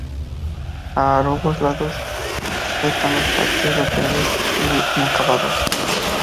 A ambos lados están los patios laterales, inacabados.